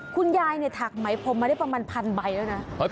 คุณยายเนี่ยถักไหมพรมมาได้ประมาณพันใบแล้วนะ